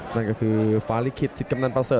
นั่นก็คือฟ้าลิขิตสิทธิกำนันประเสริ